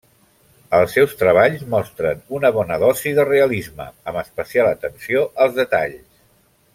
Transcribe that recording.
Els seus treballs mostren una bona dosi de realisme, amb especial atenció als detalls.